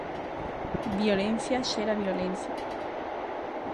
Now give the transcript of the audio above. Violencia xera violencia.